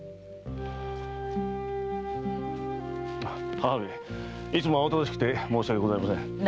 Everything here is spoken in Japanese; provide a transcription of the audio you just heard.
母上いつも慌ただしくて申し訳ございません。